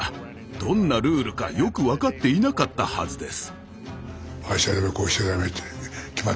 どんなルールかよく分かっていなかったはずです。